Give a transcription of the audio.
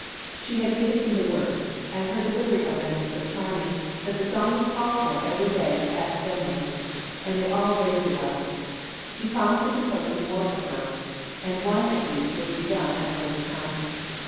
She had given him the words, and her delivery of them was so charming that the song was called for every day "at Wendling's," and they all "raved about it." He promised to compose some more for her, and one at least was begun at a later time.